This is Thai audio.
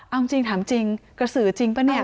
เอาจริงถามจริงกระสือจริงป่ะเนี่ย